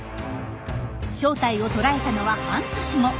正体を捉えたのは半年後。